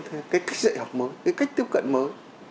cái cách dạy học mới cái cách tiếp cận mới